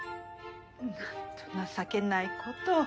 何と情けないことを。